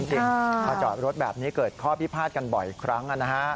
คนจอดแบบนี้เกิดข้อพิพาทกันบ่อยครั้ง